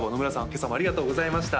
今朝もありがとうございました